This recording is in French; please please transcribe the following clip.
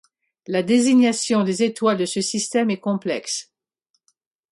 La désignation des étoiles de ce système est complexe.